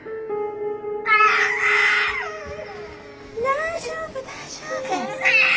・大丈夫大丈夫。